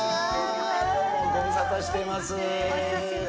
どうも、ご無沙汰してますー。